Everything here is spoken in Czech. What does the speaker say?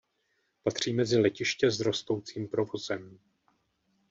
Patří mezi letiště s rostoucím provozem.